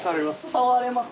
触れます？